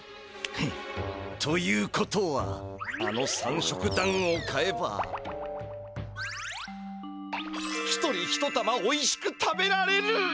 フッということはあの３色だんごを買えば一人一玉おいしく食べられる！